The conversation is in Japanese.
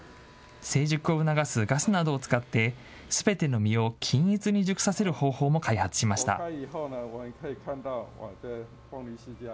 成熟を促すガスなどを使って、すべての実を均一に熟させる方法も開発しました。